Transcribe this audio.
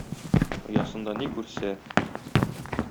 Оясында ни күрсә...